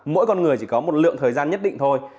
mỗi con người chỉ có một lượng thời gian nhất định thôi